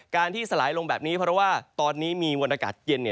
ที่สลายลงแบบนี้เพราะว่าตอนนี้มีมวลอากาศเย็น